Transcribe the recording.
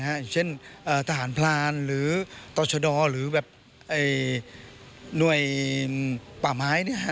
หรือเช่นทหารพรานหรือตชดหรือหน่วยป่าม้าย